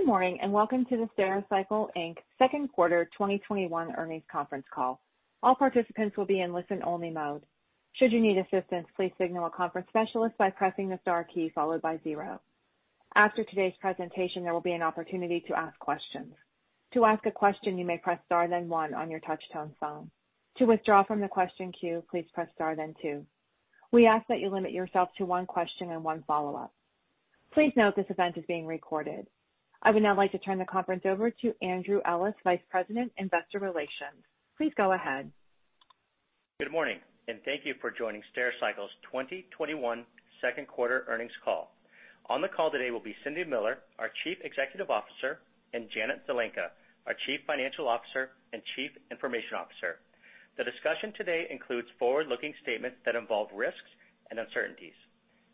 Good morning, and welcome to the Stericycle Inc. second quarter 2021 earnings conference call. All participants will be in listen-only mode. Should you need assistance, please signal a conference specialist by pressing the star key followed by zero. After today's presentation, there will be an opportunity to ask questions. To ask a question, you may press star then one on your touch-tone phone. To withdraw from the question queue, please press star then two. We ask that you limit yourself to one question and one follow-up. Please note this event is being recorded. I would now like to turn the conference over to Andrew Ellis, Vice President, Investor Relations. Please go ahead. Good morning, and thank you for joining Stericycle's 2021 second quarter earnings call. On the call today will be Cindy Miller, our Chief Executive Officer, and Janet Zelenka, our Chief Financial Officer and Chief Information Officer. The discussion today includes forward-looking statements that involve risks and uncertainties.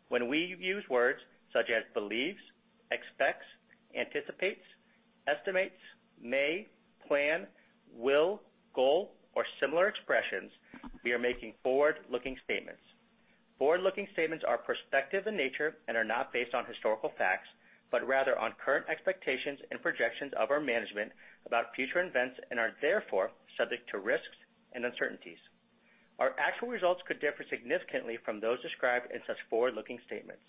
When we use words such as believes, expects, anticipates, estimates, may, plan, will, goal, or similar expressions, we are making forward-looking statements. Forward-looking statements are prospective in nature and are not based on historical facts, but rather on current expectations and projections of our management about future events and are therefore subject to risks and uncertainties. Our actual results could differ significantly from those described in such forward-looking statements.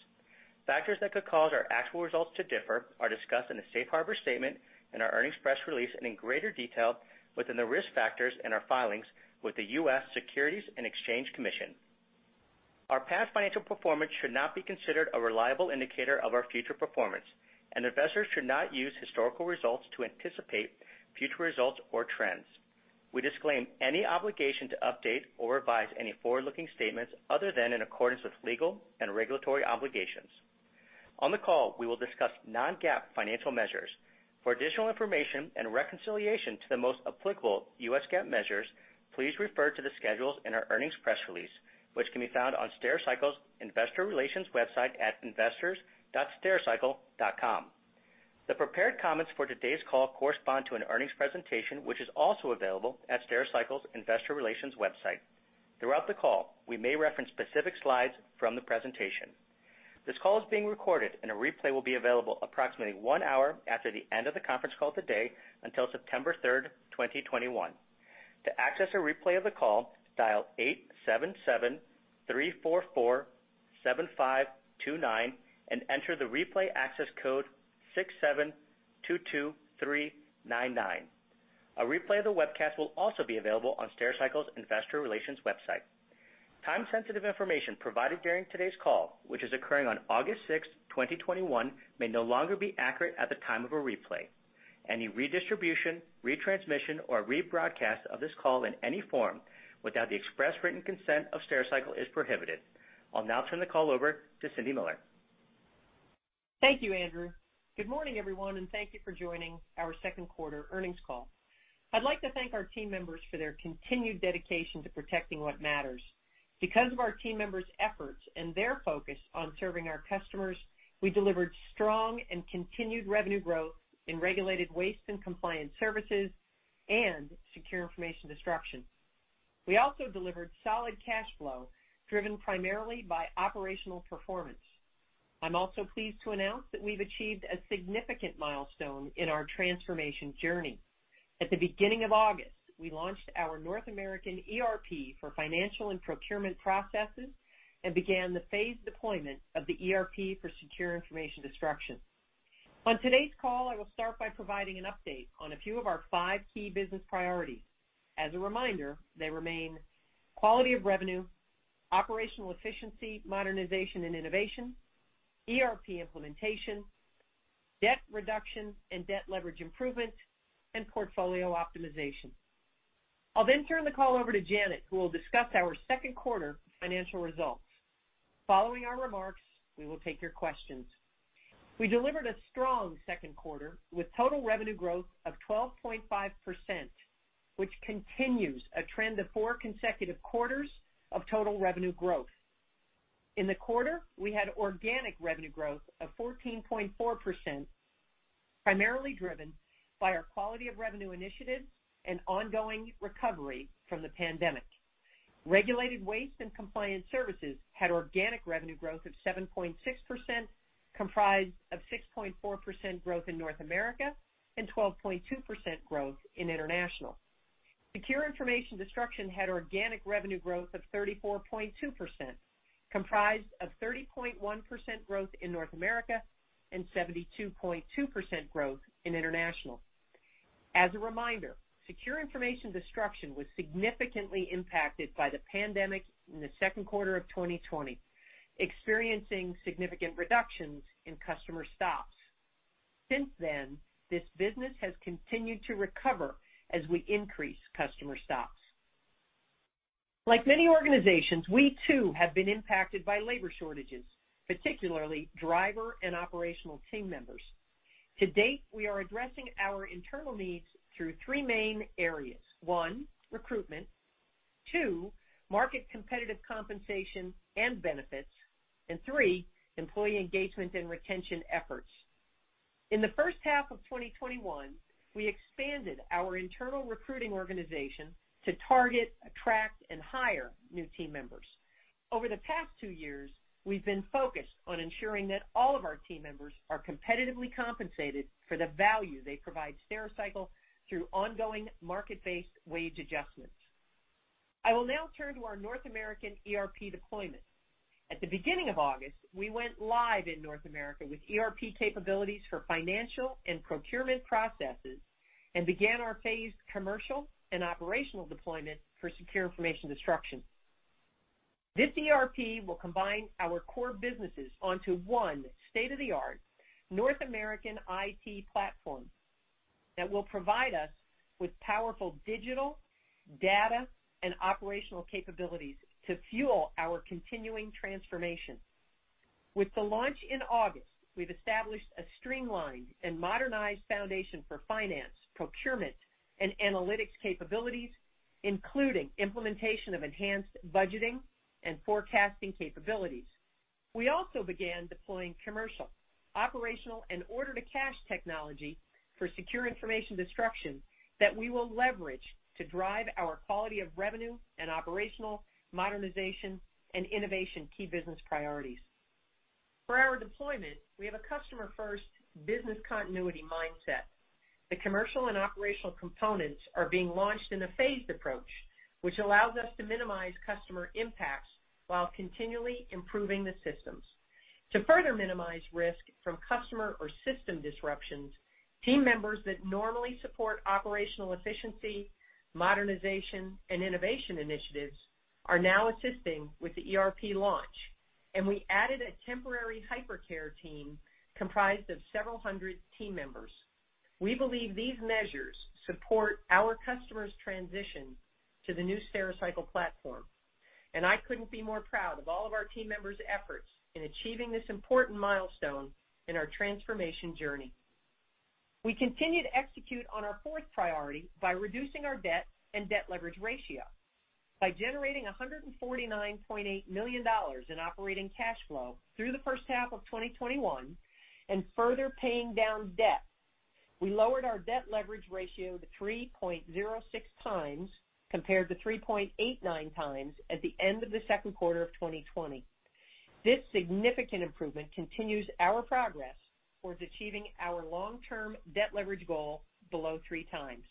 Factors that could cause our actual results to differ are discussed in the safe harbor statement in our earnings press release and in greater detail within the risk factors in our filings with the US Securities and Exchange Commission. Our past financial performance should not be considered a reliable indicator of our future performance, and investors should not use historical results to anticipate future results or trends. We disclaim any obligation to update or revise any forward-looking statements other than in accordance with legal and regulatory obligations. On the call, we will discuss non-GAAP financial measures. For additional information and reconciliation to the most applicable US GAAP measures, please refer to the schedules in our earnings press release, which can be found on Stericycle's Investor Relations website at investors.stericycle.com. The prepared comments for today's call correspond to an earnings presentation, which is also available at Stericycle's Investor Relations website. Throughout the call, we may reference specific slides from the presentation. This call is being recorded and a replay will be available approximately one hour after the end of the conference call today until September third, 2021. To access a replay of the call, dial 877-344-7529 and enter the replay access code 6722399. A replay of the webcast will also be available on Stericycle's Investor Relations website. Time-sensitive information provided during today's call, which is occurring on August sixth, 2021, may no longer be accurate at the time of a replay. Any redistribution, retransmission, or rebroadcast of this call in any form without the express written consent of Stericycle is prohibited. I'll now turn the call over to Cindy Miller. Thank you, Andrew. Good morning, everyone, and thank you for joining our second quarter earnings call. I'd like to thank our team members for their continued dedication to protecting what matters. Because of our team members' efforts and their focus on serving our customers, we delivered strong and continued revenue growth in Regulated Waste and Compliance Services and Secure Information Destruction. We also delivered solid cash flow driven primarily by operational performance. I'm also pleased to announce that we've achieved a significant milestone in our transformation journey. At the beginning of August, we launched our North American ERP for financial and procurement processes and began the phased deployment of the ERP for Secure Information Destruction. On today's call, I will start by providing an update on a few of our five key business priorities. As a reminder, they remain quality of revenue; operational efficiency, modernization, and innovation; ERP implementation; debt reduction and debt leverage improvement; and portfolio optimization. I'll turn the call over to Janet, who will discuss our second quarter financial results. Following our remarks, we will take your questions. We delivered a strong second quarter with total revenue growth of 12.5%, which continues a trend of four consecutive quarters of total revenue growth. In the quarter, we had organic revenue growth of 14.4%, primarily driven by our quality of revenue initiatives and ongoing recovery from the pandemic. Regulated Waste and Compliance Services had organic revenue growth of 7.6%, comprised of 6.4% growth in North America and 12.2% growth in international. Secure Information Destruction had organic revenue growth of 34.2%, comprised of 30.1% growth in North America and 72.2% growth in international. As a reminder, Secure Information Destruction was significantly impacted by the pandemic in the second quarter of 2020, experiencing significant reductions in customer stops. Since then, this business has continued to recover as we increase customer stops. Like many organizations, we too have been impacted by labor shortages, particularly driver and operational team members. To date, we are addressing our internal needs through three main areas. One, recruitment, two market competitive compensation and benefits, three employee engagement and retention efforts. In the first half of 2021, we expanded our internal recruiting organization to target, attract, and hire new team members. Over the past two years, we've been focused on ensuring that all of our team members are competitively compensated for the value they provide Stericycle through ongoing market-based wage adjustments. I will now turn to our North American ERP deployment. At the beginning of August, we went live in North America with ERP capabilities for financial and procurement processes and began our phased commercial and operational deployment for Secure Information Destruction. This ERP will combine our core businesses onto one state-of-the-art North American IT platform that will provide us with powerful digital, data, and operational capabilities to fuel our continuing transformation. With the launch in August, we've established a streamlined and modernized foundation for finance, procurement, and analytics capabilities, including implementation of enhanced budgeting and forecasting capabilities. We also began deploying commercial, operational, and order-to-cash technology for Secure Information Destruction that we will leverage to drive our quality of revenue and operational modernization and innovation key business priorities. For our deployment, we have a customer-first business continuity mindset. The commercial and operational components are being launched in a phased approach, which allows us to minimize customer impacts while continually improving the systems. To further minimize risk from customer or system disruptions, team members that normally support operational efficiency, modernization, and innovation initiatives are now assisting with the ERP launch, and we added a temporary hypercare team comprised of several hundred team members. We believe these measures support our customers' transition to the new Stericycle platform, and I couldn't be more proud of all of our team members' efforts in achieving this important milestone in our transformation journey. We continue to execute on our fourth priority by reducing our debt and debt leverage ratio. By generating $149.8 million in operating cash flow through the first half of 2021 and further paying down debt, we lowered our debt leverage ratio to 3.06 times compared to 3.89 times at the end of the second quarter of 2020. This significant improvement continues our progress towards achieving our long-term debt leverage goal below three times.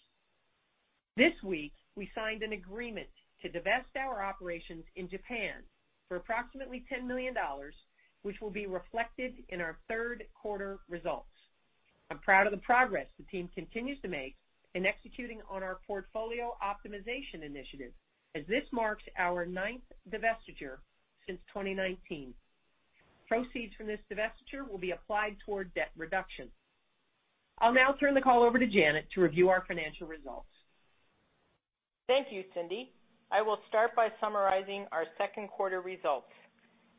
This week, we signed an agreement to divest our operations in Japan for approximately $10 million, which will be reflected in our third quarter results. I'm proud of the progress the team continues to make in executing on our portfolio optimization initiative, as this marks our ninth divestiture since 2019. Proceeds from this divestiture will be applied toward debt reduction. I'll now turn the call over to Janet to review our financial results. Thank you, Cindy. I will start by summarizing our second quarter results.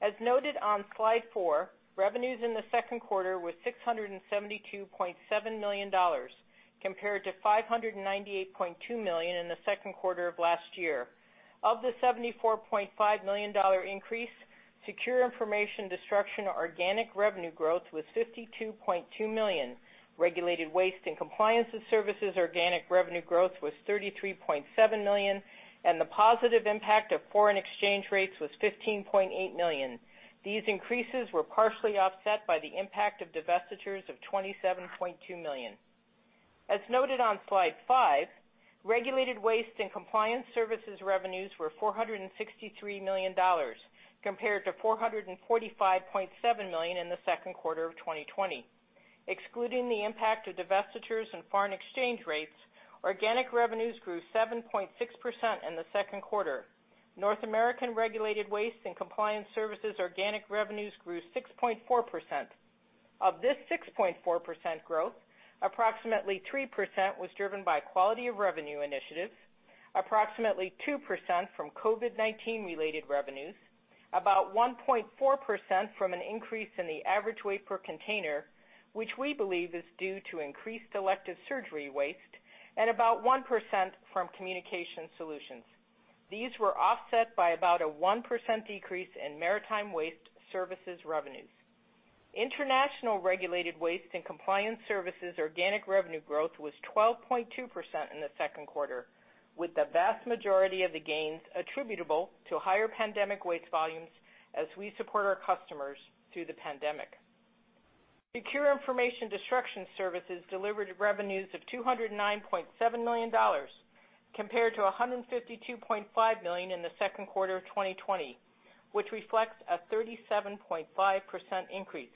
As noted on slide four, revenues in the second quarter were $672.7 million compared to $598.2 million in the second quarter of last year. Of the $74.5 million increase, Secure Information Destruction organic revenue growth was $52.2 million, Regulated Waste and Compliance Services organic revenue growth was $33.7 million, and the positive impact of foreign exchange rates was $15.8 million. These increases were partially offset by the impact of divestitures of $27.2 million. As noted on slide five, Regulated Waste and Compliance Services revenues were $463 million compared to $445.7 million in the second quarter of 2020. Excluding the impact of divestitures and foreign exchange rates, organic revenues grew 7.6% in the second quarter. North American Regulated Waste and Compliance Services organic revenues grew 6.4%. Of this 6.4% growth, approximately 3% was driven by quality of revenue initiatives, approximately 2% from COVID-19 related revenues, about 1.4% from an increase in the average weight per container, which we believe is due to increased elective surgery waste, and about 1% from Communication Solutions. These were offset by about a 1% decrease in maritime waste services revenues. International Regulated Waste and Compliance Services organic revenue growth was 12.2% in the second quarter, with the vast majority of the gains attributable to higher pandemic waste volumes as we support our customers through the pandemic. Secure Information Destruction services delivered revenues of $209.7 million compared to $152.5 million in the second quarter of 2020, which reflects a 37.5% increase.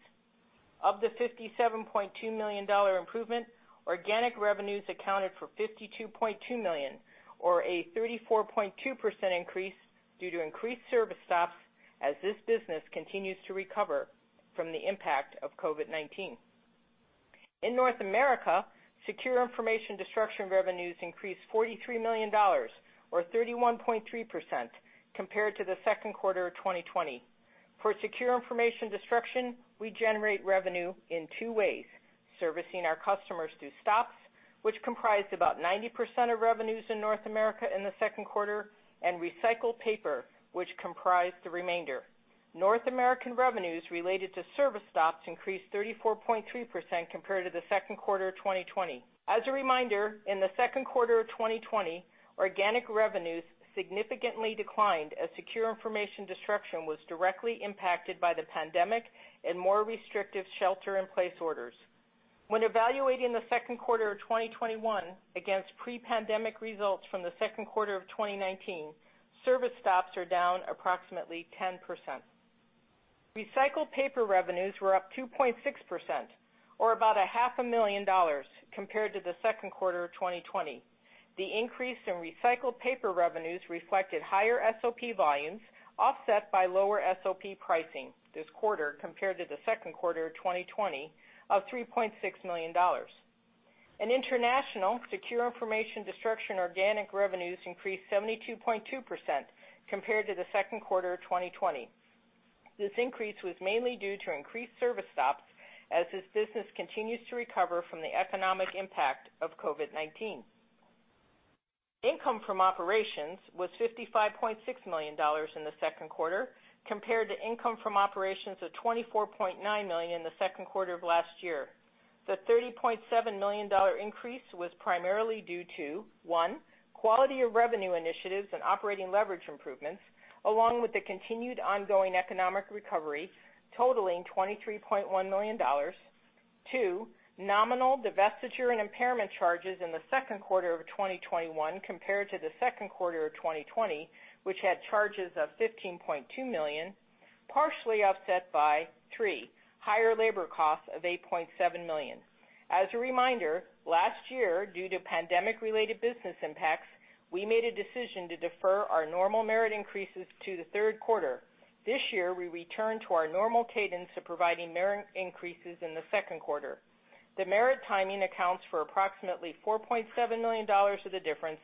Of the $57.2 million improvement, organic revenues accounted for $52.2 million, or a 34.2% increase due to increased service stops as this business continues to recover from the impact of COVID-19. In North America, Secure Information Destruction revenues increased $43 million, or 31.3%, compared to the second quarter of 2020. For Secure Information Destruction, we generate revenue in two ways, servicing our customers through stops, which comprised about 90% of revenues in North America in the second quarter, and recycled paper, which comprised the remainder. North American revenues related to service stops increased 34.3% compared to the second quarter of 2020. As a reminder, in the second quarter of 2020, organic revenues significantly declined as Secure Information Destruction was directly impacted by the pandemic and more restrictive shelter-in-place orders. When evaluating the second quarter of 2021 against pre-pandemic results from the second quarter of 2019, service stops are down approximately 10%. Recycled paper revenues were up 2.6%, or about a half a million dollars compared to the second quarter of 2020. The increase in recycled paper revenues reflected higher SOP volumes, offset by lower SOP pricing this quarter compared to the second quarter of 2020 of $3.6 million. In international, Secure Information Destruction organic revenues increased 72.2% compared to the second quarter of 2020. This increase was mainly due to increased service stops as this business continues to recover from the economic impact of COVID-19. Income from operations was $55.6 million in the second quarter, compared to income from operations of $24.9 million in the second quarter of last year. The $30.7 million increase was primarily due to, one, quality of revenue initiatives and operating leverage improvements, along with the continued ongoing economic recovery totaling $23.1 million. Two, nominal divestiture and impairment charges in the second quarter of 2021 compared to the second quarter of 2020, which had charges of $15.2 million, partially offset by, three, higher labor costs of $8.7 million. As a reminder, last year, due to pandemic-related business impacts, we made a decision to defer our normal merit increases to the third quarter. This year, we return to our normal cadence of providing merit increases in the second quarter. The merit timing accounts for approximately $4.7 million of the difference,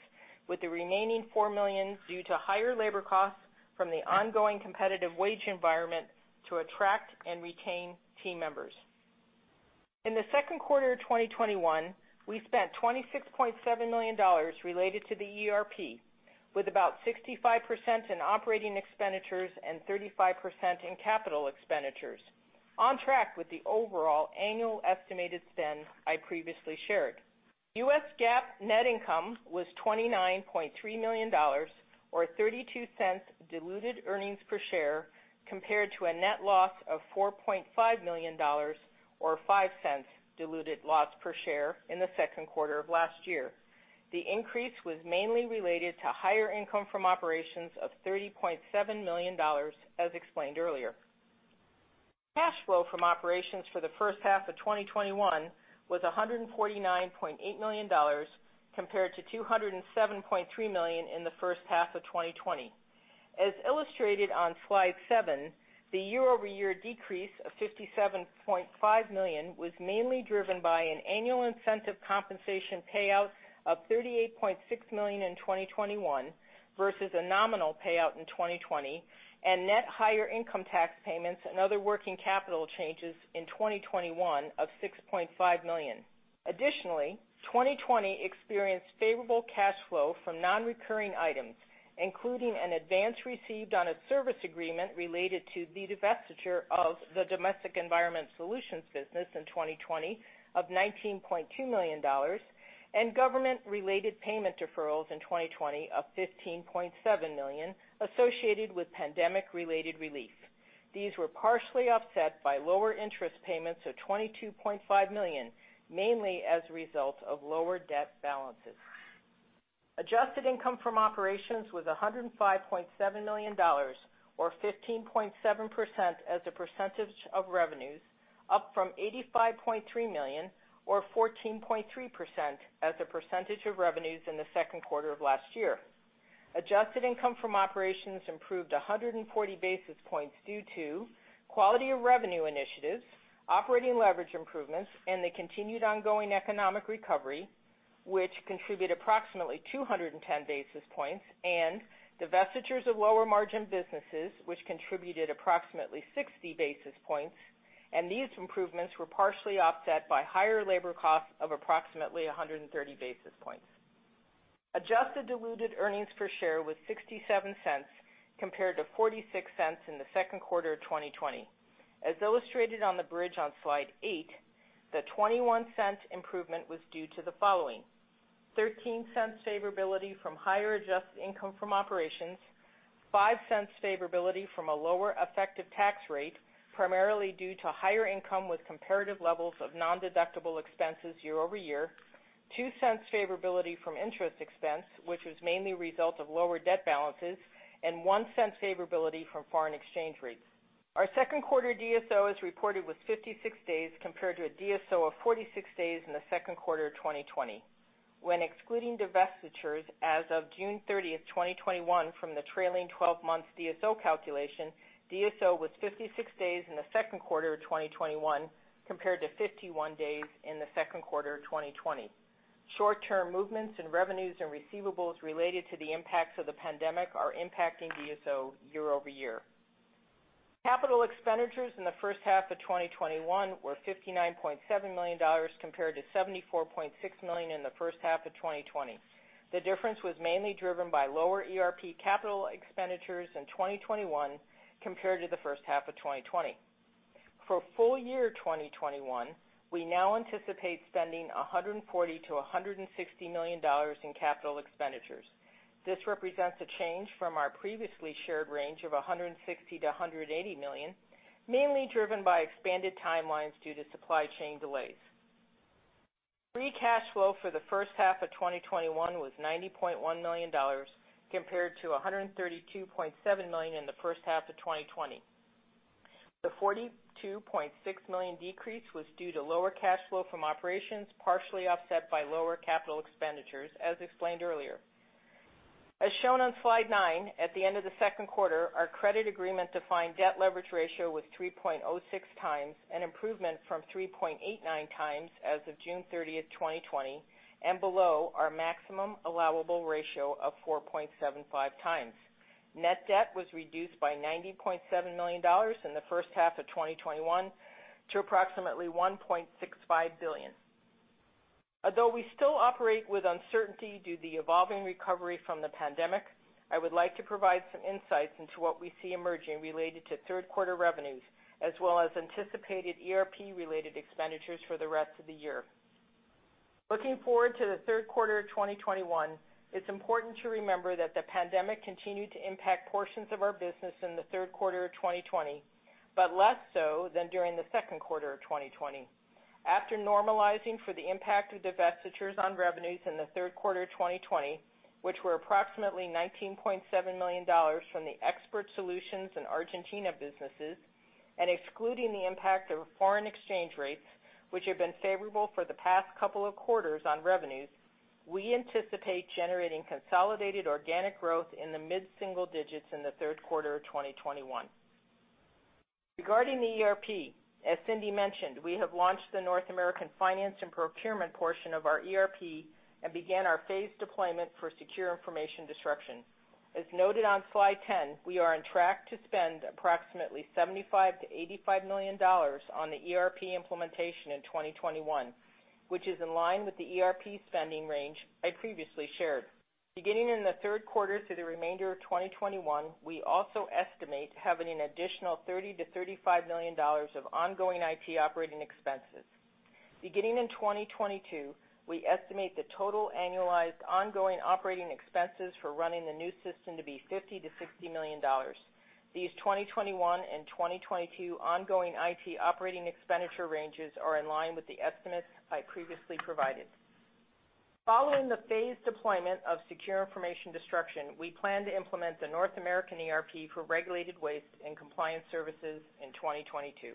with the remaining $4 million due to higher labor costs from the ongoing competitive wage environment to attract and retain team members. In the second quarter of 2021, we spent $26.7 million related to the ERP, with about 65% in operating expenditures and 35% in capital expenditures, on track with the overall annual estimated spend I previously shared. US GAAP net income was $29.3 million, or $0.32 diluted earnings per share, compared to a net loss of $4.5 million, or $0.05 diluted loss per share in the second quarter of last year. The increase was mainly related to higher income from operations of $30.7 million, as explained earlier. Cash flow from operations for the first half of 2021 was $149.8 million, compared to $207.3 million in the first half of 2020. As illustrated on slide seven, the year-over-year decrease of $57.5 million was mainly driven by an annual incentive compensation payout of $38.6 million in 2021 versus a nominal payout in 2020 and net higher income tax payments and other working capital changes in 2021 of $6.5 million. Additionally, 2020 experienced favorable cash flow from non-recurring items, including an advance received on a service agreement related to the divestiture of the Domestic Environmental Solutions business in 2020 of $19.2 million and government-related payment deferrals in 2020 of $15.7 million associated with pandemic-related relief. These were partially offset by lower interest payments of $22.5 million, mainly as a result of lower debt balances. Adjusted income from operations was $105.7 million, or 15.7% as a percentage of revenues, up from $85.3 million or 14.3% as a percentage of revenues in the second quarter of last year. Adjusted income from operations improved 140 basis points due to quality of revenue initiatives, operating leverage improvements, and the continued ongoing economic recovery, which contribute approximately 210 basis points, and divestitures of lower margin businesses, which contributed approximately 60 basis points, and these improvements were partially offset by higher labor costs of approximately 130 basis points. Adjusted diluted earnings per share was $0.67 compared to $0.46 in the second quarter of 2020. As illustrated on the bridge on Slide eight, the $0.21 improvement was due to the following: $0.13 favorability from higher adjusted income from operations, $0.05 favorability from a lower effective tax rate, primarily due to higher income with comparative levels of non-deductible expenses year-over-year, $0.02 favorability from interest expense, which was mainly a result of lower debt balances, and $0.01 favorability from foreign exchange rates. Our second quarter DSO, as reported, was 56 days, compared to a DSO of 46 days in the second quarter of 2020. When excluding divestitures as of June 30th, 2021, from the trailing 12 months DSO calculation, DSO was 56 days in the second quarter of 2021 compared to 51 days in the second quarter of 2020. Short-term movements in revenues and receivables related to the impacts of the pandemic are impacting DSO year-over-year. Capital expenditures in the first half of 2021 were $59.7 million, compared to $74.6 million in the first half of 2020. The difference was mainly driven by lower ERP capital expenditures in 2021 compared to the first half of 2020. For full year 2021, we now anticipate spending $140 million-$160 million in capital expenditures. This represents a change from our previously shared range of $160 million-$180 million, mainly driven by expanded timelines due to supply chain delays. Free cash flow for the first half of 2021 was $90.1 million, compared to $132.7 million in the first half of 2020. The $42.6 million decrease was due to lower cash flow from operations, partially offset by lower capital expenditures, as explained earlier. As shown on slide nine, at the end of the second quarter, our credit agreement defined debt leverage ratio was 3.06 times, an improvement from 3.89 times as of June 30, 2020, and below our maximum allowable ratio of 4.75 times. Net debt was reduced by $90.7 million in the first half of 2021 to approximately $1.65 billion. Although we still operate with uncertainty due to the evolving recovery from the pandemic, I would like to provide some insights into what we see emerging related to third quarter revenues, as well as anticipated ERP-related expenditures for the rest of the year. Looking forward to the third quarter of 2021, it is important to remember that the pandemic continued to impact portions of our business in the third quarter of 2020, but less so than during the second quarter of 2020. After normalizing for the impact of divestitures on revenues in the third quarter of 2020, which were approximately $19.7 million from the Expert Solutions and Argentina businesses, and excluding the impact of foreign exchange rates, which have been favorable for the past couple of quarters on revenues, we anticipate generating consolidated organic growth in the mid-single digits in the third quarter of 2021. Regarding the ERP, as Cindy mentioned, we have launched the North American finance and procurement portion of our ERP and began our phased deployment for Secure Information Destruction. As noted on slide 10, we are on track to spend approximately $75 million-$85 million on the ERP implementation in 2021, which is in line with the ERP spending range I previously shared. Beginning in the third quarter through the remainder of 2021, we also estimate having an additional $30 million-$35 million of ongoing IT operating expenses. Beginning in 2022, we estimate the total annualized ongoing operating expenses for running the new system to be $50 million-$60 million. These 2021 and 2022 ongoing IT operating expenditure ranges are in line with the estimates I previously provided. Following the phased deployment of Secure Information Destruction, we plan to implement the North American ERP for Regulated Waste and Compliance Services in 2022.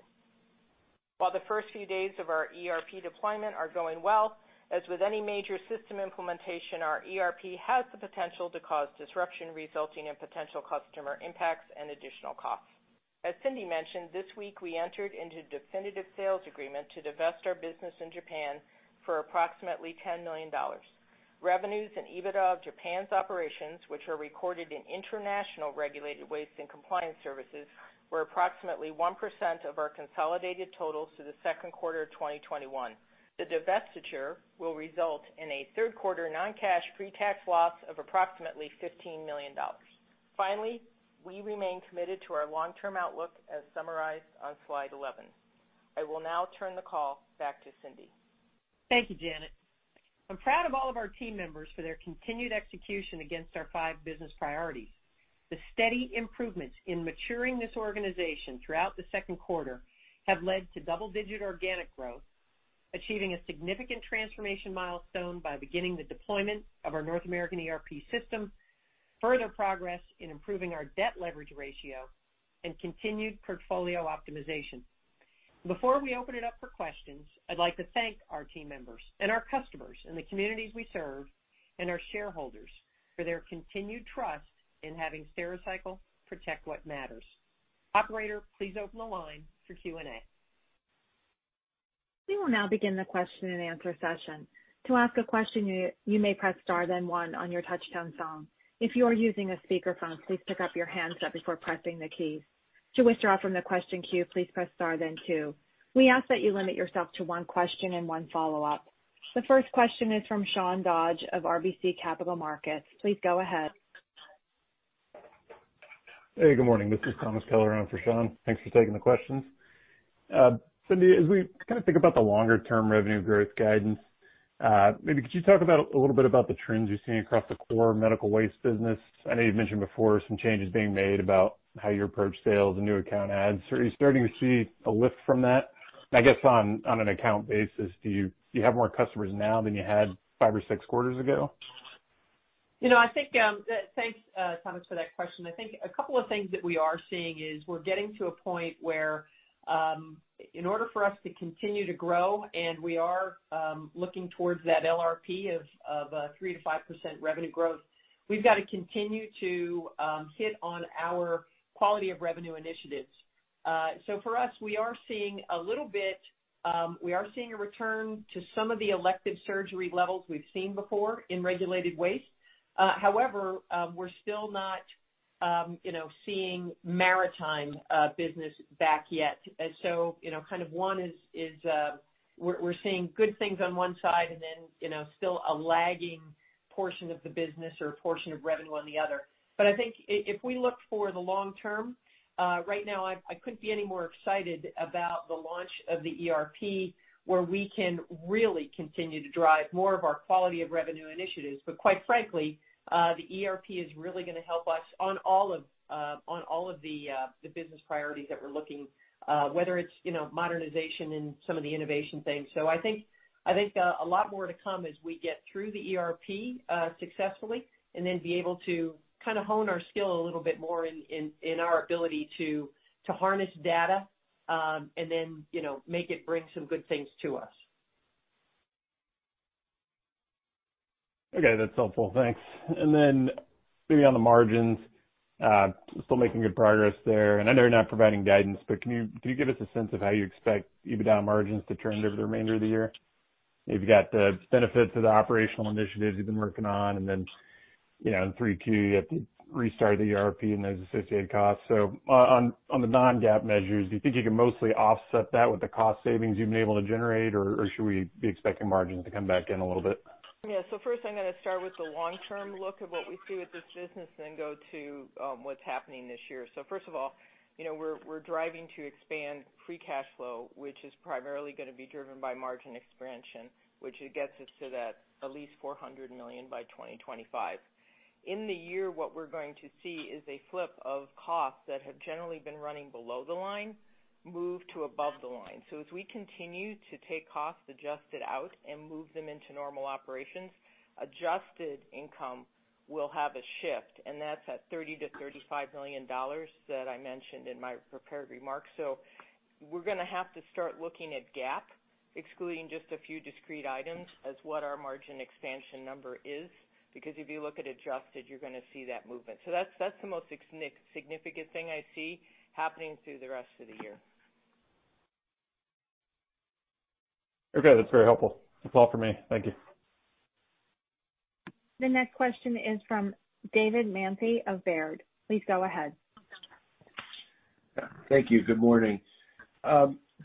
While the first few days of our ERP deployment are going well, as with any major system implementation, our ERP has the potential to cause disruption, resulting in potential customer impacts and additional costs. As Cindy mentioned, this week we entered into a definitive sales agreement to divest our business in Japan for approximately $10 million. Revenues and EBITDA of Japan's operations, which are recorded in international Regulated Waste and Compliance Services, were approximately 1% of our consolidated totals through the second quarter of 2021. The divestiture will result in a third-quarter non-cash pre-tax loss of approximately $15 million. Finally, we remain committed to our long-term outlook as summarized on slide 11. I will now turn the call back to Cindy. Thank you, Janet. I'm proud of all of our team members for their continued execution against our five business priorities. The steady improvements in maturing this organization throughout the second quarter have led to double-digit organic growth, achieving a significant transformation milestone by beginning the deployment of our North American ERP system, further progress in improving our debt leverage ratio, and continued portfolio optimization. Before we open it up for questions, I'd like to thank our team members and our customers and the communities we serve, and our shareholders for their continued trust in having Stericycle protect what matters. Operator, please open the line for Q&A. The first question is from Sean Dodge of RBC Capital Markets. Please go ahead. Hey, good morning. This is Thomas Keller on for Sean. Thanks for taking the questions. Cindy, as we think about the longer-term revenue growth guidance, maybe could you talk a little bit about the trends you're seeing across the core medical waste business? I know you've mentioned before some changes being made about how you approach sales and new account adds. Are you starting to see a lift from that? I guess on an account basis, do you have more customers now than you had five or six quarters ago? Thanks, Thomas, for that question. I think a couple of things that we are seeing is we're getting to a point where, in order for us to continue to grow, and we are looking towards that LRP of 3%-5% revenue growth, we've got to continue to hit on our quality of revenue initiatives. For us, we are seeing a return to some of the elective surgery levels we've seen before in Regulated Waste. We're still not seeing maritime business back yet. One is we're seeing good things on one side and then still a lagging portion of the business or a portion of revenue on the other. I think if we look for the long term, right now, I couldn't be any more excited about the launch of the ERP, where we can really continue to drive more of our quality of revenue initiatives. Quite frankly, the ERP is really going to help us on all of the business priorities that we're looking, whether it's modernization and some of the innovation things. I think a lot more to come as we get through the ERP successfully, and then be able to hone our skill a little bit more in our ability to harness data, and then make it bring some good things to us. Okay, that's helpful. Thanks. Maybe on the margins, still making good progress there, and I know you're not providing guidance, but can you give us a sense of how you expect EBITDA margins to trend over the remainder of the year? You've got the benefits of the operational initiatives you've been working on, and then in 3Q, you have to restart the ERP and those associated costs. On the non-GAAP measures, do you think you can mostly offset that with the cost savings you've been able to generate, or should we be expecting margins to come back in a little bit? First I'm going to start with the long-term look of what we see with this business and then go to what's happening this year. First of all, we're driving to expand free cash flow, which is primarily going to be driven by margin expansion, which gets us to that at least $400 million by 2025. In the year, what we're going to see is a flip of costs that have generally been running below the line move to above the line. As we continue to take costs, adjust it out, and move them into normal operations, adjusted income will have a shift, and that's at $30 million-$35 million that I mentioned in my prepared remarks. We're going to have to start looking at GAAP, excluding just a few discrete items as what our margin expansion number is, because if you look at adjusted, you're going to see that movement. That's the most significant thing I see happening through the rest of the year. Okay, that's very helpful. That's all for me. Thank you. The next question is from David Manthey of Baird. Please go ahead. Thank you. Good morning.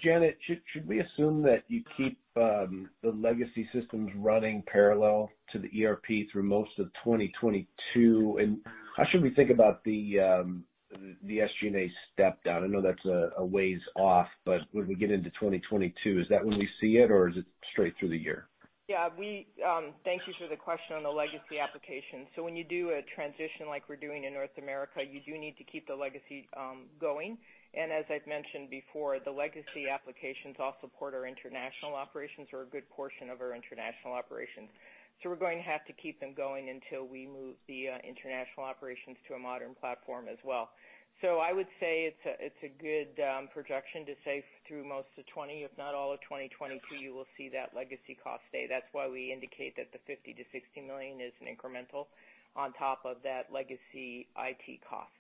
Janet, should we assume that you keep the legacy systems running parallel to the ERP through most of 2022? How should we think about the SG&A step down? I know that's a ways off, but when we get into 2022, is that when we see it, or is it straight through the year? Yeah. Thank you for the question on the legacy application. When you do a transition like we're doing in North America, you do need to keep the legacy going. As I've mentioned before, the legacy applications all support our international operations or a good portion of our international operations. We're going to have to keep them going until we move the international operations to a modern platform as well. I would say it's a good projection to say through most of 2020, if not all of 2022, you will see that legacy cost stay. That's why we indicate that the $50 million-$60 million is an incremental on top of that legacy IT cost.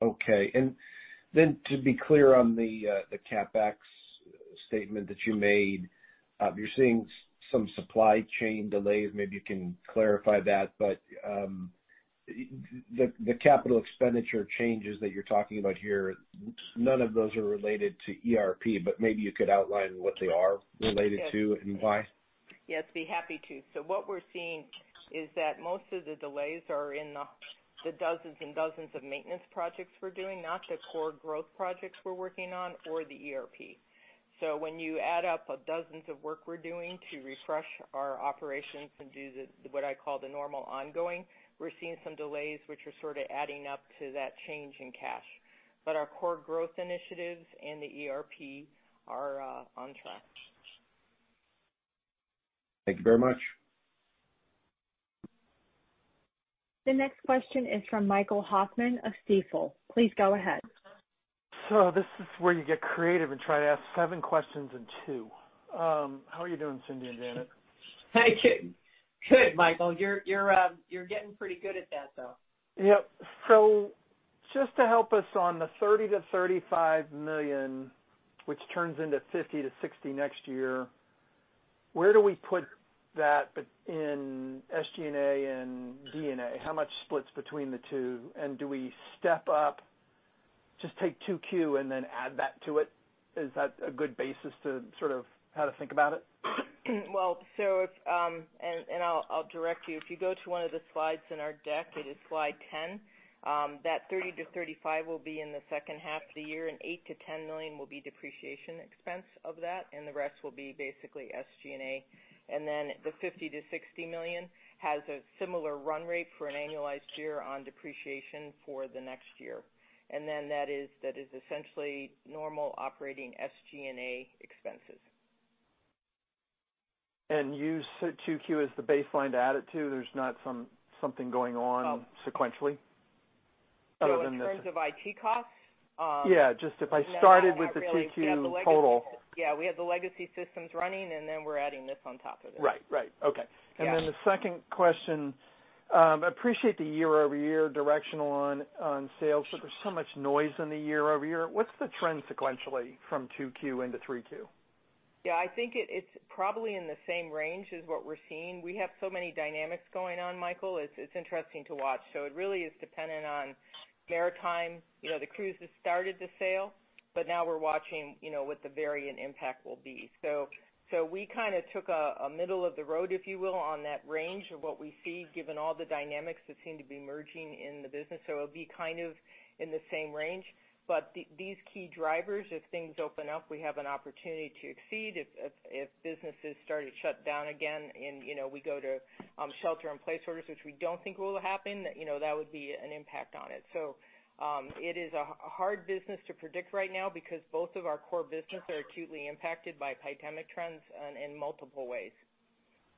Okay. To be clear on the CapEx statement that you made, you're seeing some supply chain delays. Maybe you can clarify that. The capital expenditure changes that you're talking about here, none of those are related to ERP. Maybe you could outline what they are related to and why. Yes, be happy to. What we're seeing is that most of the delays are in the dozens and dozens of maintenance projects we're doing, not the core growth projects we're working on or the ERP. When you add up dozens of work we're doing to refresh our operations and do what I call the normal ongoing, we're seeing some delays which are sort of adding up to that change in cash. Our core growth initiatives and the ERP are on track. Thank you very much. The next question is from Michael Hoffman of Stifel. Please go ahead. This is where you get creative and try to ask seven questions in two. How are you doing, Cindy and Janet? Thank you. Good, Michael. You're getting pretty good at that, though. Yep. Just to help us on the $30 million-$35 million, which turns into $50 million-$60 million next year, where do we put that in SG&A and G&A? How much splits between the two? Do we step up, just take 2Q and then add that to it? Is that a good basis to sort of how to think about it? Well, I'll direct you. If you go to one of the slides in our deck, it is slide 10. That $30-$35 will be in the second half of the year, and $8 million-$10 million will be depreciation expense of that, and the rest will be basically SG&A. The $50 million-$60 million has a similar run rate for an annualized year on depreciation for the next year. That is essentially normal operating SG&A expenses. You said 2Q is the baseline to add it to? There's not something going on sequentially other than? In terms of IT costs? Yeah, just if I started with the 2Q total. Yeah, we have the legacy systems running, and then we're adding this on top of it. Right. Okay. Yeah. The second question. I appreciate the year-over-year directional on sales, but there's so much noise in the year-over-year. What's the trend sequentially from 2Q into 3Q? Yeah, I think it's probably in the same range as what we're seeing. We have so many dynamics going on, Michael, it's interesting to watch. It really is dependent on maritime. The cruises started to sail, now we're watching what the variant impact will be. We kind of took a middle-of-the-road, if you will, on that range of what we see, given all the dynamics that seem to be merging in the business. It'll be kind of in the same range. These key drivers, if things open up, we have an opportunity to exceed. If businesses start to shut down again and we go to shelter-in-place orders, which we don't think will happen, that would be an impact on it. It is a hard business to predict right now because both of our core businesses are acutely impacted by pandemic trends in multiple ways.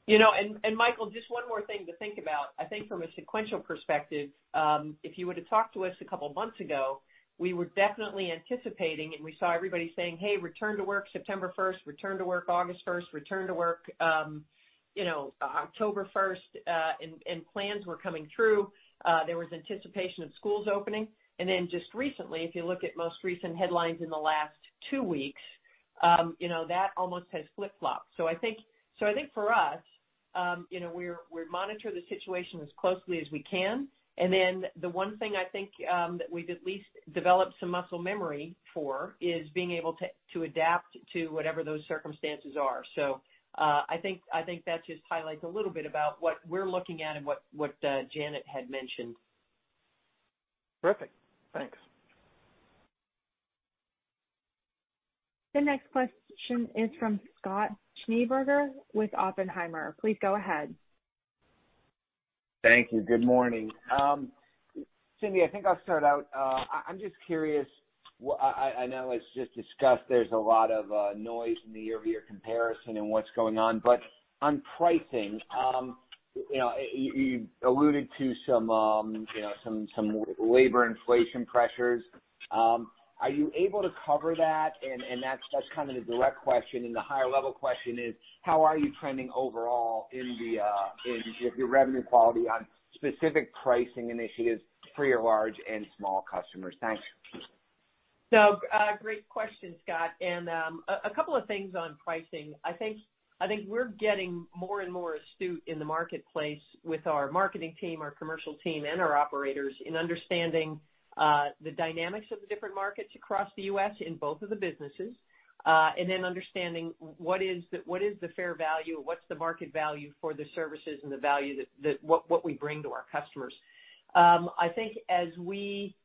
Michael, just one more thing to think about. I think from a sequential perspective, if you were to talk to us a couple of months ago, we were definitely anticipating, and we saw everybody saying, "Hey, return to work September 1st. Return to work August 1st. Return to work October 1st." Plans were coming through. There was anticipation of schools opening. Just recently, if you look at most recent headlines in the last two weeks, that almost has flip-flopped. I think for us, we monitor the situation as closely as we can. The one thing I think that we've at least developed some muscle memory for is being able to adapt to whatever those circumstances are. I think that just highlights a little bit about what we're looking at and what Janet had mentioned. Perfect. Thanks. The next question is from Scott Schneeberger with Oppenheimer. Please go ahead. Thank you. Good morning. Cindy, I think I'll start out. I'm just curious. I know it's just discussed there's a lot of noise in the year-over-year comparison and what's going on, but on pricing, you alluded to some labor inflation pressures. Are you able to cover that? That's kind of the direct question, and the higher-level question is, how are you trending overall in your revenue quality on specific pricing initiatives for your large and small customers? Thanks. Great question, Scott, a couple of things on pricing. I think we're getting more and more astute in the marketplace with our marketing team, our commercial team, and our operators in understanding the dynamics of the different markets across the U.S. in both of the businesses. Understanding what is the fair value or what's the market value for the services and the value that what we bring to our customers. I think as we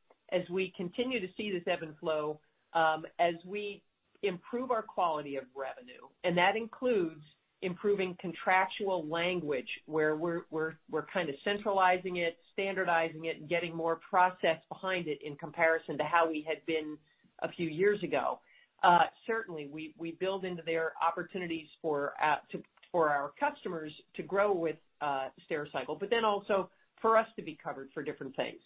continue to see this ebb and flow, as we improve our quality of revenue, and that includes improving contractual language where we're kind of centralizing it, standardizing it, and getting more process behind it in comparison to how we had been a few years ago. Certainly, we build into their opportunities for our customers to grow with Stericycle, also for us to be covered for different things.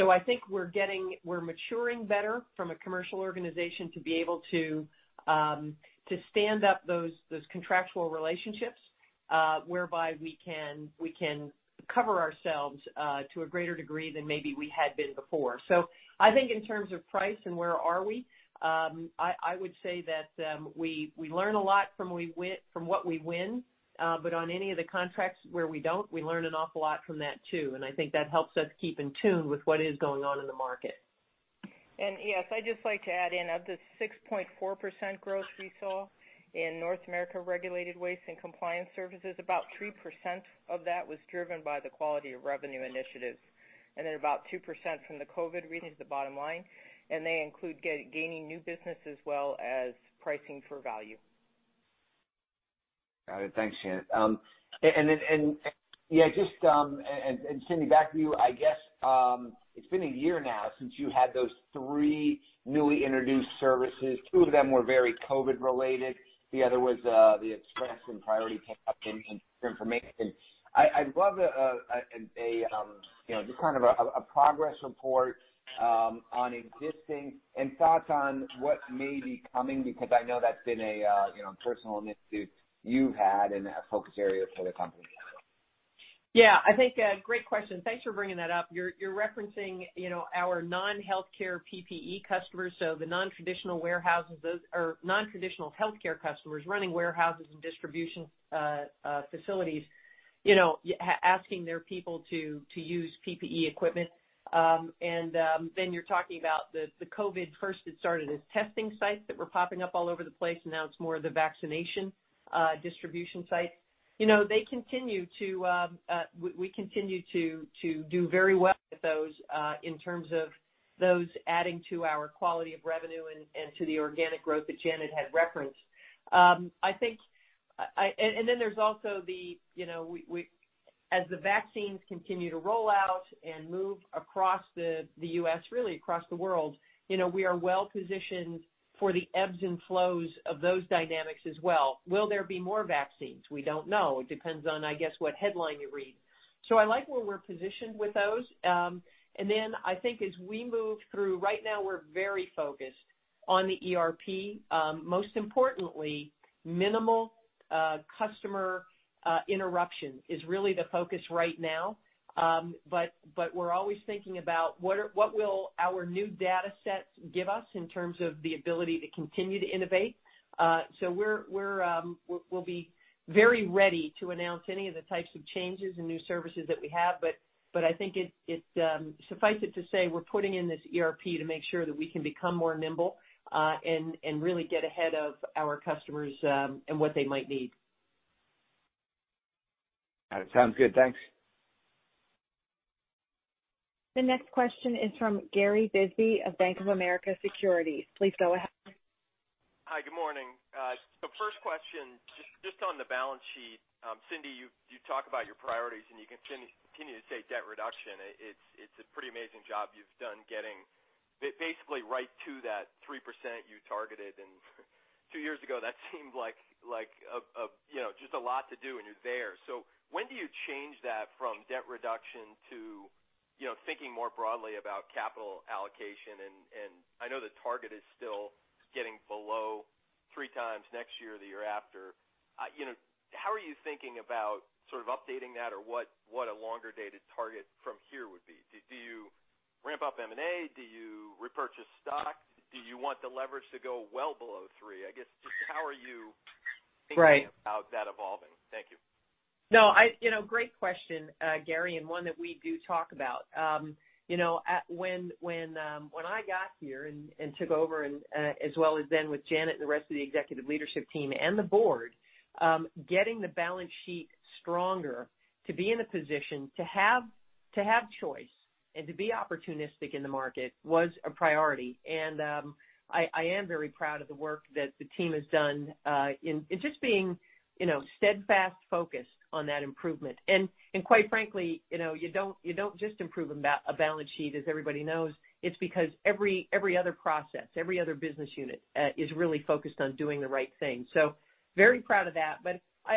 I think we're maturing better from a commercial organization to be able to stand up those contractual relationships, whereby we can cover ourselves to a greater degree than maybe we had been before. I think in terms of price and where are we, I would say that we learn a lot from what we win, but on any of the contracts where we don't, we learn an awful lot from that too. I think that helps us keep in tune with what is going on in the market. Yes, I'd just like to add in, of the 6.4% growth we saw in North America Regulated Waste and Compliance Services, about 3% of that was driven by the quality of revenue initiatives, and then about 2% from the COVID reading to the bottom line, and they include gaining new business as well as pricing for value. Got it. Thanks, Janet. Cindy, back to you. I guess, it's been a year now since you had those three newly introduced services. Two of them were very COVID-19 related. The other was the Express and Priority pickup and inter information. I'd love just kind of a progress report on existing and thoughts on what may be coming because I know that's been a personal initiative you've had and a focus area for the company as well. Yeah, I think, great question. Thanks for bringing that up. You're referencing our non-healthcare PPE customers, so the nontraditional healthcare customers running warehouses and distribution facilities, asking their people to use PPE equipment. Then you're talking about the COVID-19, first it started as testing sites that were popping up all over the place, and now it's more of the vaccination distribution sites. We continue to do very well with those, in terms of those adding to our quality of revenue and to the organic growth that Janet had referenced. Then there's also the, as the vaccines continue to roll out and move across the U.S., really across the world, we are well-positioned for the ebbs and flows of those dynamics as well. Will there be more vaccines? We don't know. It depends on, I guess, what headline you read. I like where we're positioned with those. I think as we move through, right now, we're very focused on the ERP. Most importantly, minimal customer interruption is really the focus right now. We're always thinking about what will our new data sets give us in terms of the ability to continue to innovate. We'll be very ready to announce any of the types of changes and new services that we have, but I think suffice it to say, we're putting in this ERP to make sure that we can become more nimble, and really get ahead of our customers, and what they might need. Got it. Sounds good. Thanks. The next question is from Gary Bisbee of Bank of America Securities. Please go ahead. Hi, good morning. First question, just on the balance sheet. Cindy, you talk about your priorities, and you continue to say debt reduction. It's a pretty amazing job you've done getting basically right to that 3% you targeted. Two years ago, that seemed like just a lot to do, and you're there. When do you change that from debt reduction to thinking more broadly about capital allocation? I know the target is still getting below three times next year or the year after. How are you thinking about sort of updating that, or what a longer-dated target from here would be? Do you ramp up M&A? Do you repurchase stock? Do you want the leverage to go well below three? Right thinking about that evolving? Thank you. Great question, Gary, one that we do talk about. When I got here and took over, as well as then with Janet and the rest of the executive leadership team and the board, getting the balance sheet stronger to be in a position to have choice and to be opportunistic in the market was a priority. I am very proud of the work that the team has done in just being steadfast focused on that improvement. Quite frankly, you don't just improve a balance sheet, as everybody knows. It's because every other process, every other business unit is really focused on doing the right thing. Very proud of that.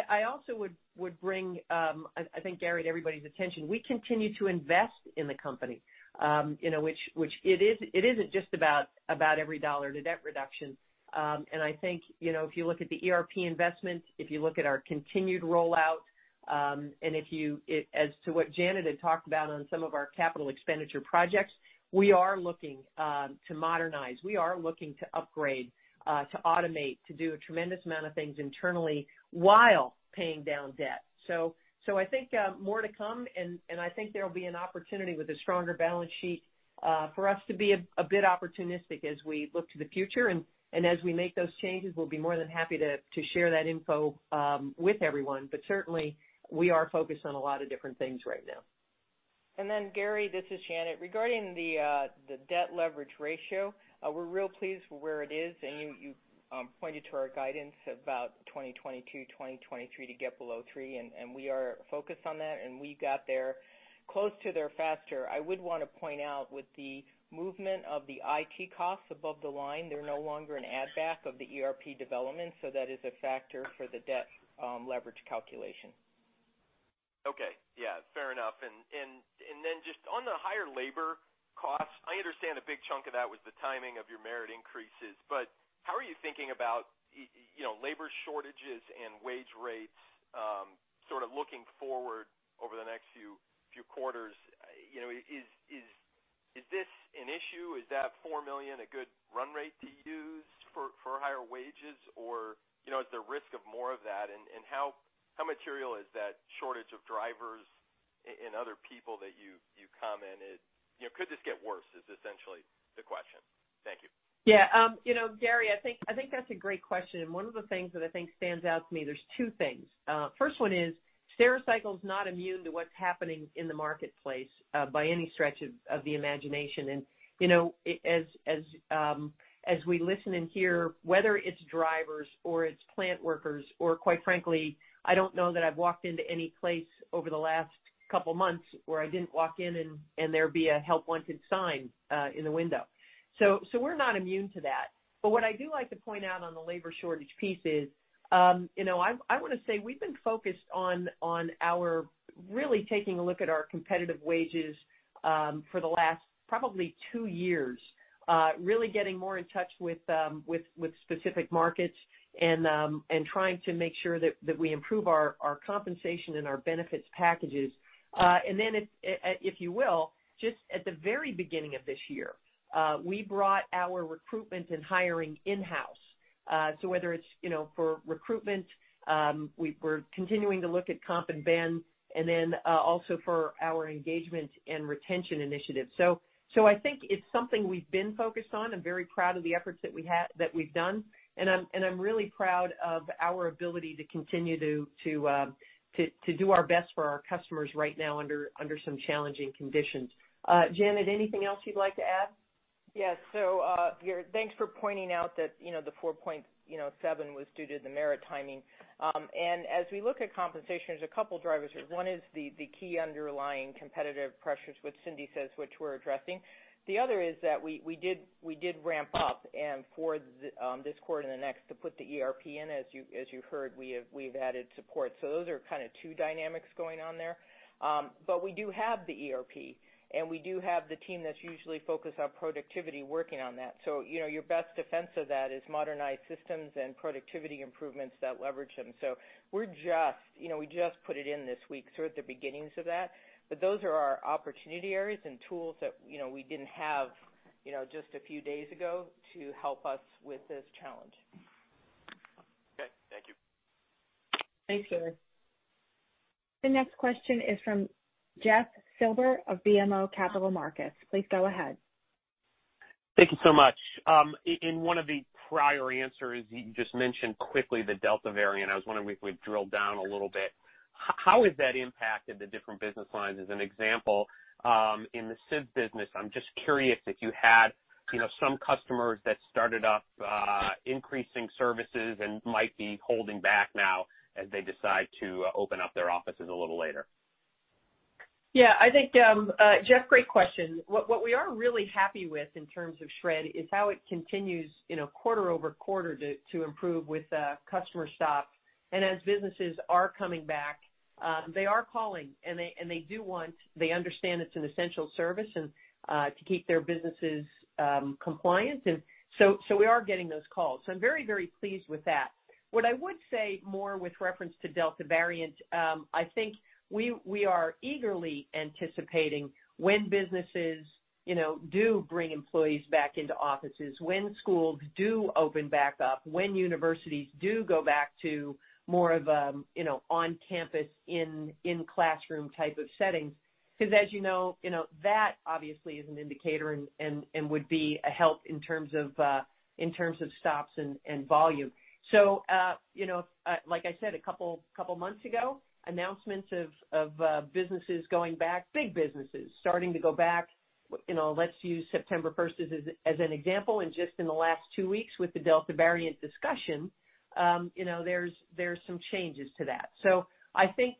I also would bring, I think, Gary, to everybody's attention, we continue to invest in the company. It isn't just about every dollar to debt reduction. I think, if you look at the ERP investment, if you look at our continued rollout, and as to what Janet had talked about on some of our capital expenditure projects, we are looking to modernize. We are looking to upgrade, to automate, to do a tremendous amount of things internally while paying down debt. I think more to come, and I think there'll be an opportunity with a stronger balance sheet for us to be a bit opportunistic as we look to the future. As we make those changes, we'll be more than happy to share that info with everyone. Certainly, we are focused on a lot of different things right now. Gary, this is Janet. Regarding the debt leverage ratio, we're real pleased with where it is, and you pointed to our guidance about 2022, 2023 to get below three. We are focused on that, and we got there close to there faster. I would want to point out with the movement of the IT costs above the line, they're no longer an add back of the ERP development, so that is a factor for the debt leverage calculation. Okay. Yeah, fair enough. Just on the higher labor costs, I understand a big chunk of that was the timing of your merit increases, but how are you thinking about labor shortages and wage rates sort of looking forward over the next few quarters? Is this an issue? Is that $4 million a good run rate to use for higher wages, or is there risk of more of that? How material is that shortage of drivers and other people that you commented? Could this get worse, is essentially the question. Thank you. Gary, I think that's a great question. One of the things that I think stands out to me, there's two things. First one is Stericycle's not immune to what's happening in the marketplace by any stretch of the imagination. As we listen and hear, whether it's drivers or it's plant workers, or quite frankly, I don't know that I've walked into any place over the last couple of months where I didn't walk in and there be a help wanted sign in the window. We're not immune to that. What I do like to point out on the labor shortage piece is, I want to say we've been focused on really taking a look at our competitive wages for the last probably two years. Really getting more in touch with specific markets and trying to make sure that we improve our compensation and our benefits packages. Then if you will, just at the very beginning of this year, we brought our recruitment and hiring in-house. Whether it's for recruitment, we're continuing to look at comp and ben, and then also for our engagement and retention initiatives. I think it's something we've been focused on. I'm very proud of the efforts that we've done. I'm really proud of our ability to continue to do our best for our customers right now under some challenging conditions. Janet, anything else you'd like to add? Yes. Gary, thanks for pointing out that the 4.7 was due to the merit timing. As we look at compensation, there's a couple of drivers. One is the key underlying competitive pressures, which Cindy says, which we're addressing. The other is that we did ramp up, and for this quarter and the next, to put the ERP in, as you heard, we've added support. Those are kind of two dynamics going on there. We do have the ERP, and we do have the team that's usually focused on productivity working on that. Your best defense of that is modernized systems and productivity improvements that leverage them. We just put it in this week. We're at the beginnings of that. Those are our opportunity areas and tools that we didn't have just a few days ago to help us with this challenge. Thank you. Thanks, Gary. The next question is from Jeff Silber of BMO Capital Markets. Please go ahead. Thank you so much. In one of the prior answers, you just mentioned quickly the Delta variant. I was wondering if we could drill down a little bit. How has that impacted the different business lines? As an example, in the SID business, I'm just curious if you had some customers that started up increasing services and might be holding back now as they decide to open up their offices a little later. Yeah. I think, Jeff, great question. What we are really happy with in terms of Shred-it is how it continues quarter-over-quarter to improve with customer stops. As businesses are coming back, they are calling, and they understand it's an essential service to keep their businesses compliant. We are getting those calls. I'm very, very pleased with that. What I would say more with reference to Delta variant, I think we are eagerly anticipating when businesses do bring employees back into offices, when schools do open back up, when universities do go back to more of on-campus, in-classroom type of settings. As you know, that obviously is an indicator and would be a help in terms of stops and volume. Like I said a couple months ago, announcements of businesses going back, big businesses starting to go back. Let's use September 1st as an example. Just in the last two weeks with the Delta variant discussion, there's some changes to that. I think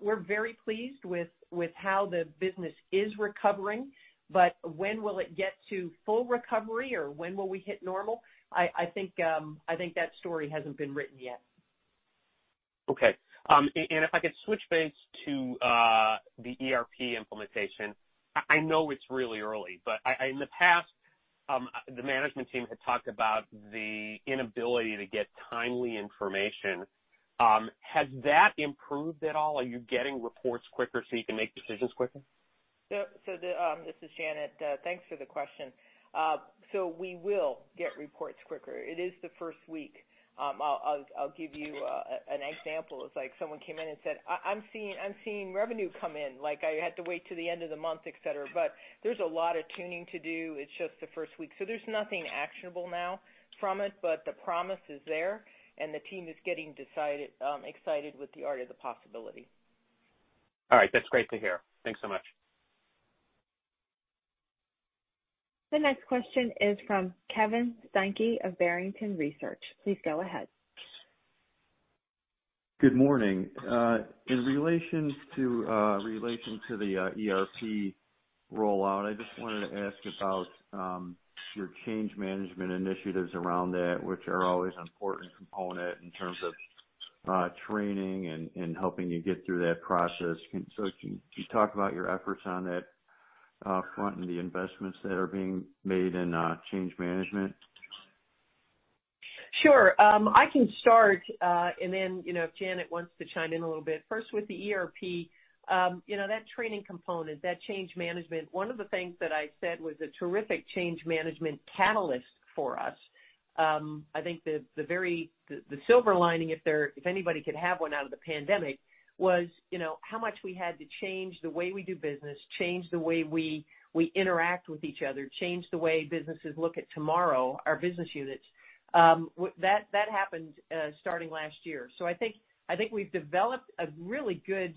we're very pleased with how the business is recovering. When will it get to full recovery or when will we hit normal? I think that story hasn't been written yet. Okay. If I could switch base to the ERP implementation. I know it's really early, but in the past, the management team had talked about the inability to get timely information. Has that improved at all? Are you getting reports quicker so you can make decisions quicker? This is Janet. Thanks for the question. We will get reports quicker. It is the first week. I'll give you an example of someone who came in and said, "I'm seeing revenue come in. I had to wait till the end of the month," et cetera. There's a lot of tuning to do. It's just the first week. There's nothing actionable now from it, but the promise is there, and the team is getting excited with the art of the possibility. All right. That's great to hear. Thanks so much. The next question is from Kevin Steinke of Barrington Research. Please go ahead. Good morning. In relation to the ERP rollout, I just wanted to ask about your change management initiatives around that, which are always an important component in terms of training and helping you get through that process. Can you talk about your efforts on that front and the investments that are being made in change management? Sure. I can start, and then if Janet wants to chime in a little bit. First with the ERP. That training component, that change management, one of the things that I said was a terrific change management catalyst for us. I think the silver lining, if anybody could have one out of the pandemic, was how much we had to change the way we do business, change the way we interact with each other, change the way businesses look at tomorrow, our business units. That happened starting last year. I think we've developed a really good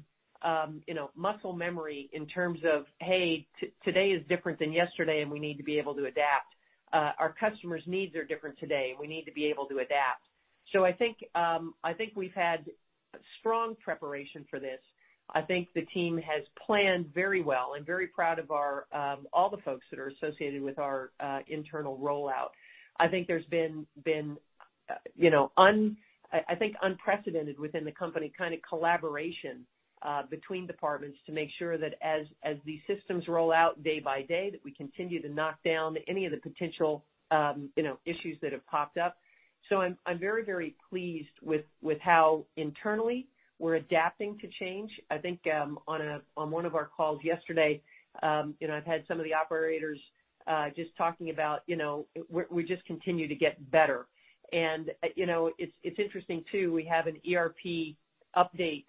muscle memory in terms of, "Hey, today is different than yesterday, and we need to be able to adapt. Our customers' needs are different today, and we need to be able to adapt." I think we've had strong preparation for this. I think the team has planned very well. I'm very proud of all the folks that are associated with our internal rollout. I think there's been unprecedented within the company collaboration between departments to make sure that as the systems roll out day by day, that we continue to knock down any of the potential issues that have popped up. I'm very, very pleased with how internally we're adapting to change. I think on one of our calls yesterday, I've had some of the operators just talking about we just continue to get better. It's interesting too, we have an ERP update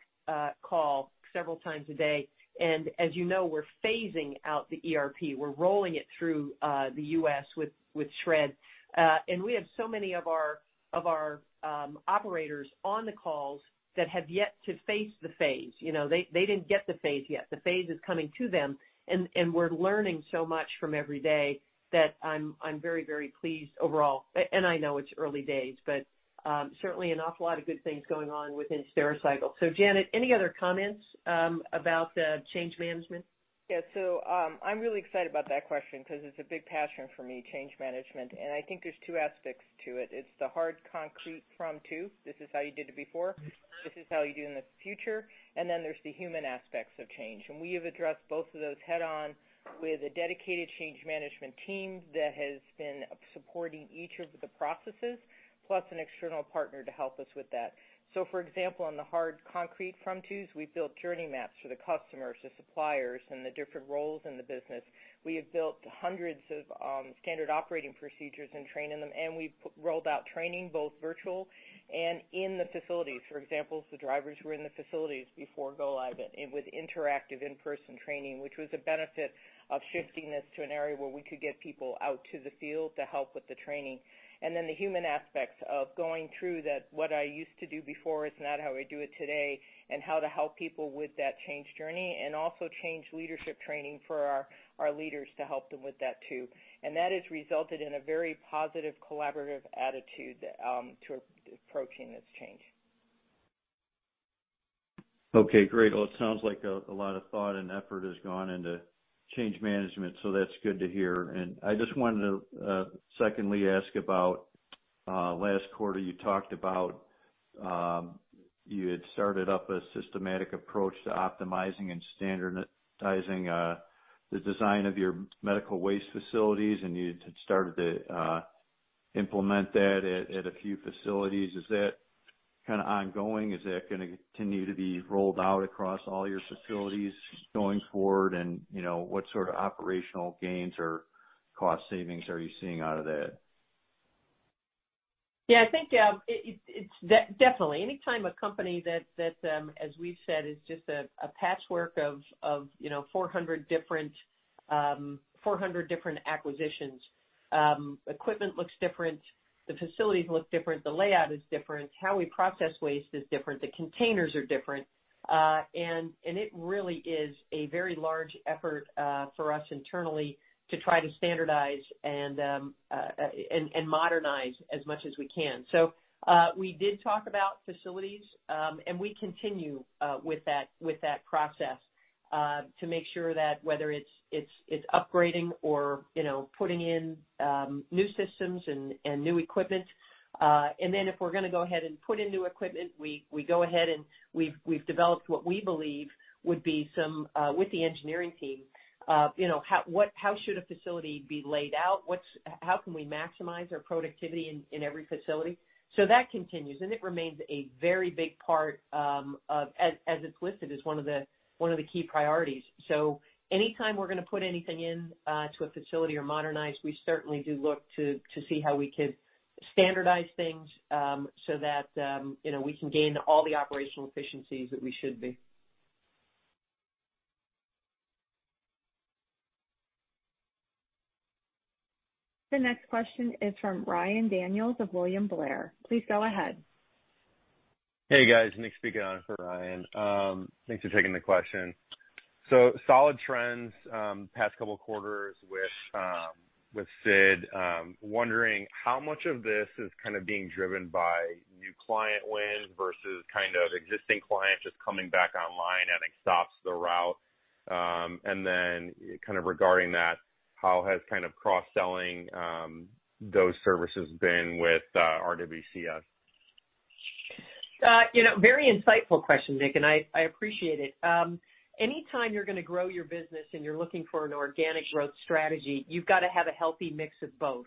call several times a day. As you know, we're phasing out the ERP. We're rolling it through the U.S. with Shred-it. We have so many of our operators on the calls that have yet to face the phase. They didn't get the phase yet. The phase is coming to them, we're learning so much from every day that I'm very, very pleased overall. I know it's early days, but certainly an awful lot of good things going on within Stericycle. Janet, any other comments about the change management? I'm really excited about that question because it's a big passion for me, change management. I think there's two aspects to it. It's the hard concrete from-to. This is how you did it before, this is how you do it in the future. Then there's the human aspects of change. We have addressed both of those head-on with a dedicated change management team that has been supporting each of the processes, plus an external partner to help us with that. For example, on the hard concrete from-tos, we've built journey maps for the customers, the suppliers, and the different roles in the business. We have built hundreds of standard operating procedures and training them, and we've rolled out training, both virtual and in the facilities. For example, the drivers who were in the facilities before go live with interactive in-person training, which was a benefit of shifting this to an area where we could get people out to the field to help with the training. The human aspects of going through that, what I used to do before is not how I do it today, and how to help people with that change journey, and also change leadership training for our leaders to help them with that, too. That has resulted in a very positive, collaborative attitude to approaching this change. Okay, great. Well, it sounds like a lot of thought and effort has gone into change management, so that's good to hear. I just wanted to secondly ask about, last quarter you talked about, you had started up a systematic approach to optimizing and standardizing the design of your medical waste facilities, and you had started to implement that at a few facilities. Is that kind of ongoing? Is that going to continue to be rolled out across all your facilities going forward? What sort of operational gains or cost savings are you seeing out of that? I think definitely. Anytime a company that, as we've said, is just a patchwork of 400 different acquisitions. Equipment looks different, the facilities look different, the layout is different, how we process waste is different, the containers are different. It really is a very large effort for us internally to try to standardize and modernize as much as we can. We did talk about facilities, and we continue with that process, to make sure that whether it's upgrading or putting in new systems and new equipment. If we're going to go ahead and put in new equipment, we go ahead and we've developed what we believe would be some, with the engineering team, how should a facility be laid out? How can we maximize our productivity in every facility? That continues, and it remains a very big part, as it's listed, as one of the key priorities. Anytime we're going to put anything into a facility or modernize, we certainly do look to see how we could standardize things, so that we can gain all the operational efficiencies that we should be. The next question is from Ryan Daniels of William Blair. Please go ahead. Hey, guys. Nick speaking for Ryan. Thanks for taking the question. Solid trends past two quarters with SID. Wondering how much of this is kind of being driven by new client wins versus kind of existing clients just coming back online adding stops to the route. Regarding that, how has kind of cross-selling those services been with RWCS? Very insightful question, Nick. I appreciate it. Anytime you're going to grow your business and you're looking for an organic growth strategy, you've got to have a healthy mix of both.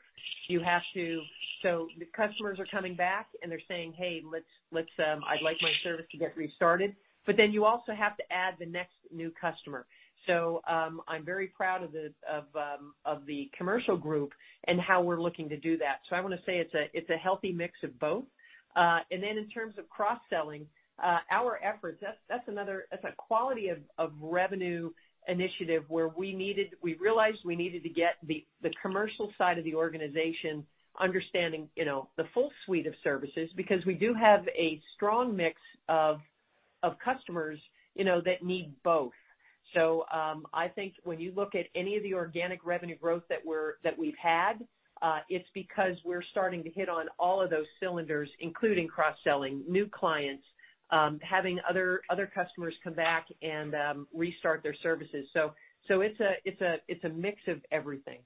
The customers are coming back, and they're saying, "Hey, I'd like my service to get restarted." You also have to add the next new customer. I'm very proud of the commercial group and how we're looking to do that. I want to say it's a healthy mix of both. In terms of cross-selling, our efforts, that's a quality of revenue initiative where we realized we needed to get the commercial side of the organization understanding the full suite of services, because we do have a strong mix of customers that need both. I think when you look at any of the organic revenue growth that we've had, it's because we're starting to hit on all of those cylinders, including cross-selling, new clients, having other customers come back and restart their services. It's a mix of everything.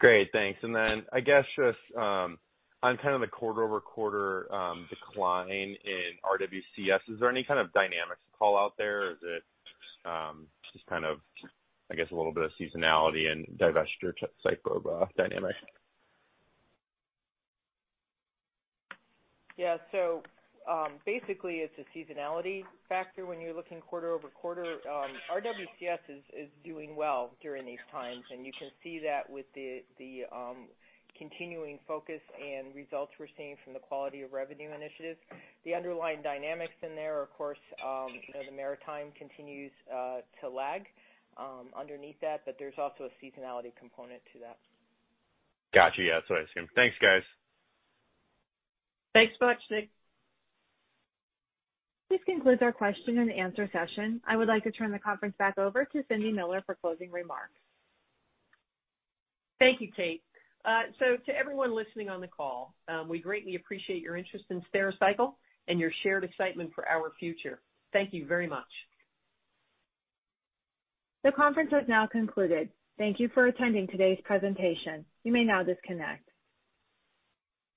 Great. Thanks. I guess, just on kind of the quarter-over-quarter decline in RWCS, is there any kind of dynamics to call out there? Is it just, I guess, a little bit of seasonality and divestiture cycle dynamic? Yeah. Basically, it's a seasonality factor when you're looking quarter-over-quarter. RWCS is doing well during these times, and you can see that with the continuing focus and results we're seeing from the quality of revenue initiatives. The underlying dynamics in there are, of course, the maritime continues to lag underneath that, but there's also a seasonality component to that. Got you. Yeah, that's what I assumed. Thanks, guys. Thanks much, Nick. This concludes our question and answer session. I would like to turn the conference back over to Cindy Miller for closing remarks. Thank you, Kate. To everyone listening on the call, we greatly appreciate your interest in Stericycle and your shared excitement for our future. Thank you very much. The conference has now concluded. Thank you for attending today's presentation. You may now disconnect.